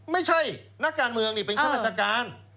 ไม่ใช่นักการเมืองนี่เป็นข้าราชการ